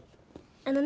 あのね